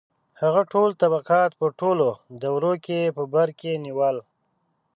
• هغه ټول طبقات په ټولو دورو کې په بر کې نیول.